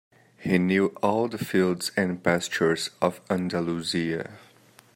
He knew all the fields and pastures of Andalusia.